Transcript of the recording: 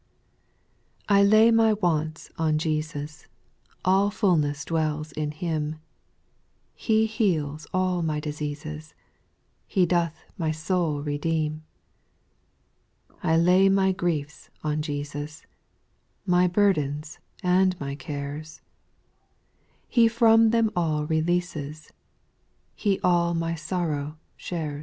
2. I lay my wants on Jesus ; All fulness dwells in Him : He heals all my diseases, He doth my soul redeem. ^ I lay my griefs on Jesus, My burdens and my cares ; He from them all releases, He all my sorrow skaiea.